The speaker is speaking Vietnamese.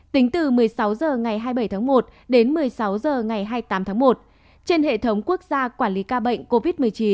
tính từ một mươi sáu h ngày hai mươi bảy tháng một đến một mươi sáu h ngày hai mươi tám tháng một trên hệ thống quốc gia quản lý ca bệnh covid một mươi chín